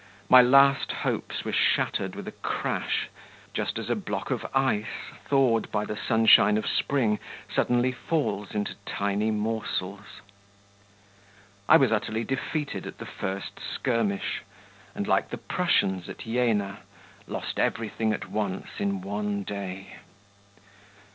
My last hopes were shattered with a crash, just as a block of ice, thawed by the sunshine of spring, suddenly falls into tiny morsels. I was utterly defeated at the first skirmish, and, like the Prussians at Jena, lost everything at once in one day.